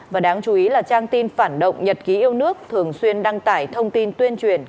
và đáng chú ý là trang tin phản động nhật ký yêu nước thường xuyên đăng tải thông tin tuyên truyền